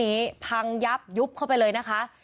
มีคนเสียชีวิตคุณ